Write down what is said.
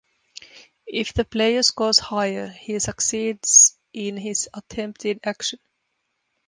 If the player scores higher, he succeeds in his attempted action.